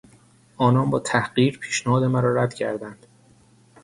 آنان با تحقیر پیشنهاد مرا رد کردند.